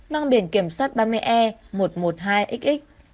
mang biển kiểm soát ba mươi e một trăm một mươi hai xx